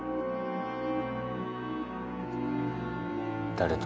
誰と？